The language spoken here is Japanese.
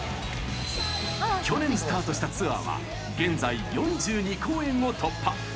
去年スタートしたツアーは現在、４２公演を突破！